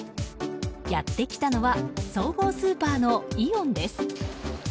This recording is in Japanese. やってきたのは総合スーパーのイオンです。